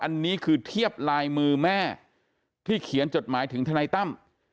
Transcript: อันนี้คือเทียบลายมือแม่ที่เขียนจดหมายถึงทนายตั้ม